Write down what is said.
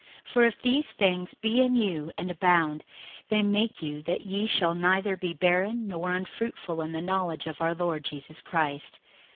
61:001:008 For if these things be in you, and abound, they make you that ye shall neither be barren nor unfruitful in the knowledge of our Lord Jesus Christ.